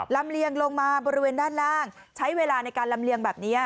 ลำเลียงลงมาบริเวณด้านล่างใช้เวลาในการลำเลียงแบบนี้